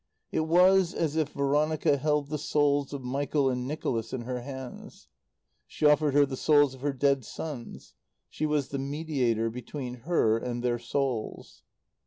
It was as if Veronica held the souls of Michael and Nicholas in her hands. She offered her the souls of her dead sons. She was the mediator between her and their souls.